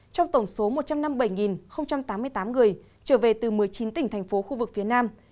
trong tổng số một trăm năm mươi bảy tám mươi tám người trở về từ một mươi chín tỉnh thành phố khu vực phía nam